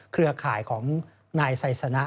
เครือข่ายของนายไซสนะ